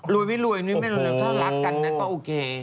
รวยไหมรวยไหมไม่รวยถ้ารักกันก็โอเค